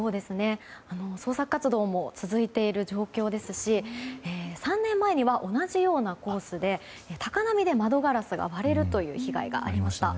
捜索活動も続いている状況ですし３年前には同じようなコースで高波で窓ガラスが割れるという被害がありました。